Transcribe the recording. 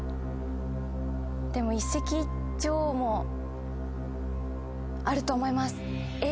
でも「一石一鳥」もあると思います！